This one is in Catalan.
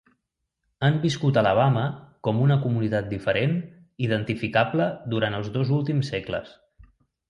Han viscut a Alabama com una comunitat diferent identificable durant els dos últims segles.